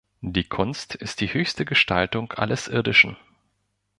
Die Kunst ist die höchste Gestaltung alles Irdischen.